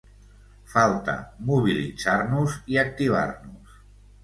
Falta mobilitzar-nos i activar-nos.